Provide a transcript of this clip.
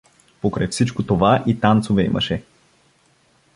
Покрай всичко това и танцове имаше.